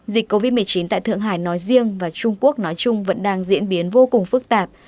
dịch covid một mươi chín tại thượng hải nói riêng và trung quốc nói chung vẫn đang diễn biến vô cùng phức tạp